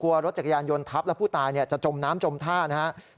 รถจักรยานยนต์ทับแล้วผู้ตายจะจมน้ำจมท่านะครับ